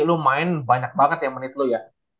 lu main banyak banget ya menit lu ya